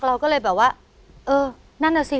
เราก็เลยแบบว่าเออนั่นน่ะสิ